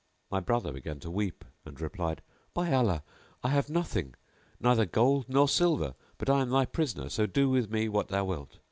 My brother began to weep and replied, "By Allah, I have nothing, neither gold nor silver; but I am thy prisoner; so do with me what thou wilt."